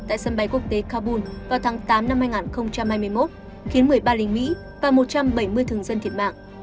tại sân bay quốc tế kabul vào tháng tám năm hai nghìn hai mươi một khiến một mươi ba lính mỹ và một trăm bảy mươi thường dân thiệt mạng